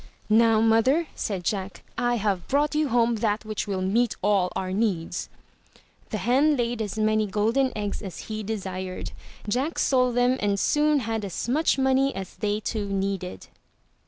"Now mother," said Jack, "I have brought you home that which will meet all our needs." The hen laid as many golden eggs as he desired. Jack sold them and soon had as much money as they two needed.